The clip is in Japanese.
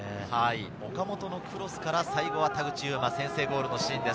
岡本のクロスから最後は田口裕真、先制ゴールのシーンです。